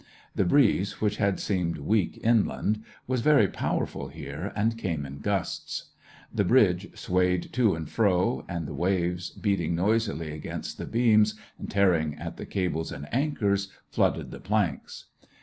The breeze, which had seemed weak inland, was very powerful here, and came in gusts ; the bridge swayed to and fro, and the waves, beating noisily against the beams, and tearing at the cables and anchors, flooded the planks.